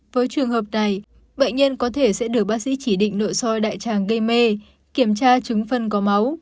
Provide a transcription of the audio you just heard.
với trường hợp này bệnh nhân có thể sẽ được bác sĩ chỉ định nội soi đại tràng gây mê kiểm tra chứng phân có máu